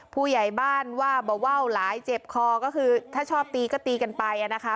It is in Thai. ผู้ใหญ่บ้านว่าเบาว่าวหลายเจ็บคอก็คือถ้าชอบตีก็ตีกันไปนะคะ